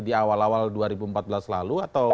di awal awal dua ribu empat belas lalu atau